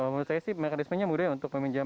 menurut saya sih mekanismenya mudah ya untuk peminjam